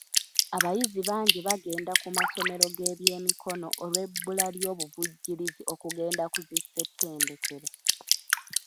Abayizi bangi bagenda ku masomero g'ebyemikono olw'ebbula ly'obuvujjirizi okugenda ku zi ssetendekero.